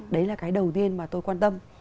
đấy là cái đầu tiên mà tôi quan tâm